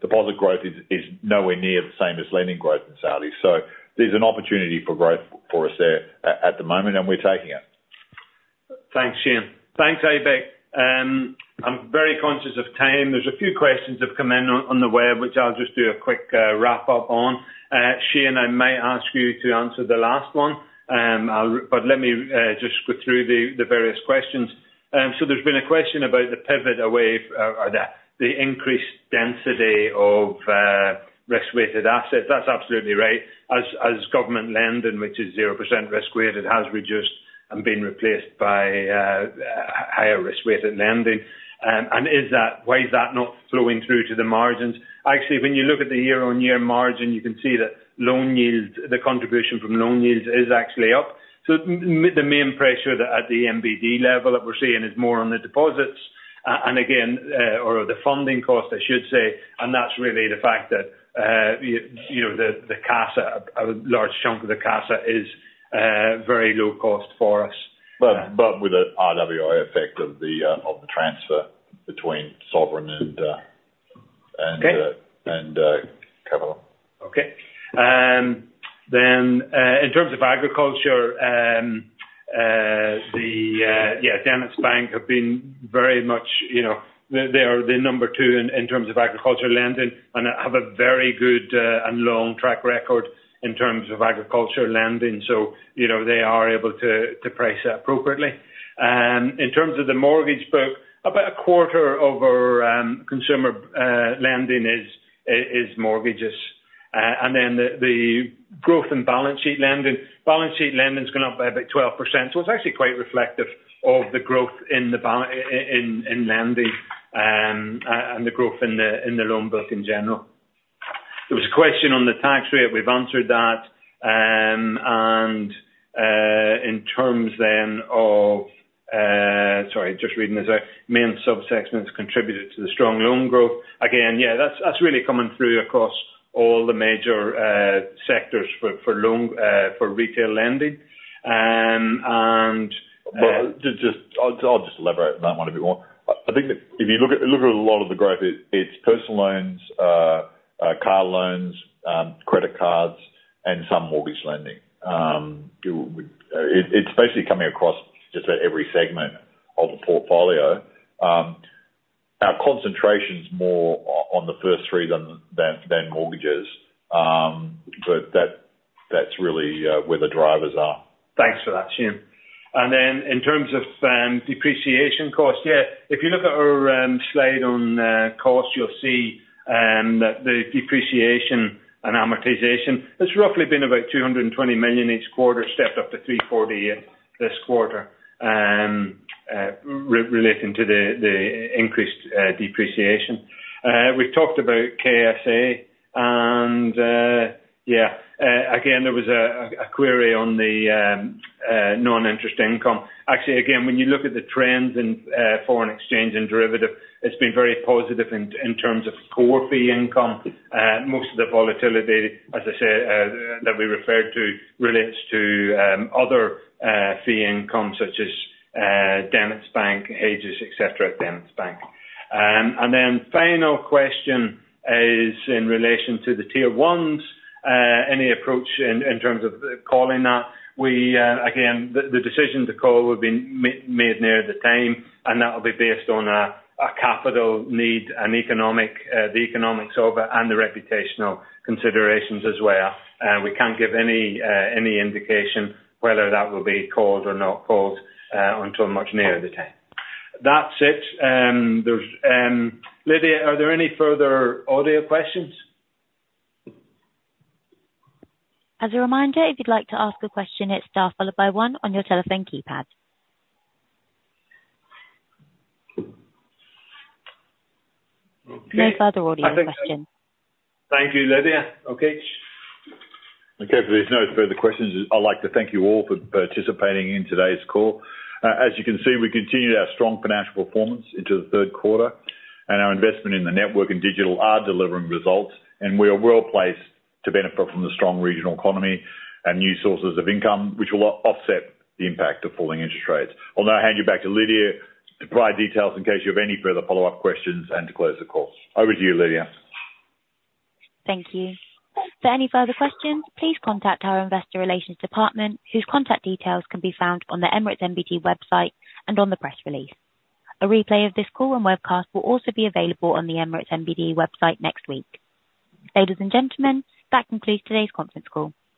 deposit growth is nowhere near the same as lending growth in Saudi. So there's an opportunity for growth for us there at the moment, and we're taking it.
Thanks, Shayne. Thanks, Aybek. I'm very conscious of time. There's a few questions have come in on the web, which I'll just do a quick wrap up on. Shayne, I may ask you to answer the last one, but let me just go through the various questions. So there's been a question about the pivot away or the increased density of risk-weighted assets. That's absolutely right. As government lending, which is 0% risk-weighted, has reduced and been replaced by higher risk-weighted lending. And is that, why is that not flowing through to the margins? Actually, when you look at the year-on-year margin, you can see that loan yields, the contribution from loan yields is actually up. So the main pressure that the ENBD level that we're seeing is more on the deposits, and again, or the funding cost, I should say, and that's really the fact that, you know, the CASA, a large chunk of the CASA is very low cost for us.
But with an RWA effect of the transfer between sovereign and and capital.
Okay. Then, in terms of agriculture, yeah, DenizBank have been very much, you know, they are the number two in terms of agriculture lending, and have a very good and long track record in terms of agriculture lending. So, you know, they are able to price that appropriately. In terms of the mortgage book, about a quarter of our consumer lending is mortgages. And then the growth in balance sheet lending, balance sheet lending's gone up by about 12%, so it's actually quite reflective of the growth in lending, and the growth in the loan book in general. There was a question on the tax rate, we've answered that. And, in terms then of. Sorry, just reading this out. Main sub-segments contributed to the strong loan growth. Again, yeah, that's really coming through across all the major sectors for loan for retail lending.
I'll just elaborate on that one a bit more. I think that if you look at a lot of the growth, it's personal loans, car loans, credit cards, and some mortgage lending. It's basically coming across just about every segment of the portfolio. Our concentration's more on the first three than mortgages, but that's really where the drivers are.
Thanks for that, Shayne. And then in terms of depreciation costs, yeah, if you look at our slide on costs, you'll see that the depreciation and amortization, it's roughly been about 220 million each quarter, stepped up to 348 million this quarter, relating to the increased depreciation. We've talked about KSA, and yeah, again, there was a query on the non-interest income. Actually, again, when you look at the trends in foreign exchange and derivative, it's been very positive in terms of core fee income. Most of the volatility, as I said, that we referred to, relates to other fee income such as DenizBank, Aegis, et cetera, DenizBank. And then final question is in relation to the Tier 1s, any approach in terms of calling that? We again, the decision to call would be made near the time, and that will be based on a capital need and economic, the economics of it, and the reputational considerations as well. We can't give any indication whether that will be called or not called, until much nearer the time. That's it. Lydia, are there any further audio questions?
As a reminder, if you'd like to ask a question, it's star followed by one on your telephone keypad. No further audio questions.
Thank you, Lydia. Okay.
Okay, if there's no further questions, I'd like to thank you all for participating in today's call. As you can see, we continued our strong financial performance into the third quarter, and our investment in the network and digital are delivering results, and we are well placed to benefit from the strong regional economy and new sources of income, which will offset the impact of falling interest rates. I'll now hand you back to Lydia, to provide details in case you have any further follow-up questions and to close the call. Over to you, Lydia.
Thank you. For any further questions, please contact our investor relations department, whose contact details can be found on the Emirates NBD website and on the press release. A replay of this call and webcast will also be available on the Emirates NBD website next week. Ladies and gentlemen, that concludes today's conference call.